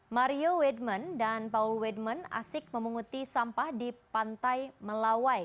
mario weidman dan paul weidman asik memunguti sampah di pantai melawai